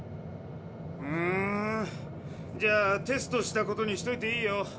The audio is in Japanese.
うんじゃあテストしたことにしといていいよ。